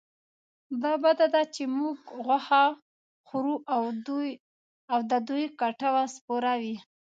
دا بده ده چې موږ غوښه خورو او د دوی کټوه سپوره وي.